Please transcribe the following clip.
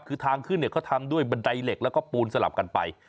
คือทางขึ้นเนี่ยเขาทำด้วยบันไดเหล็กแล้วก็ปูนสลับกันไป